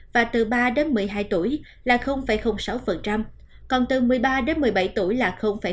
và từ ba đến một mươi hai tuổi là một mươi chín